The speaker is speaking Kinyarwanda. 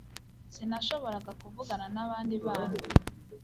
Sinashoboraga kuvugana n'abandi bana